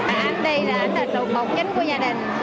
anh đi là trụ phục chính của gia đình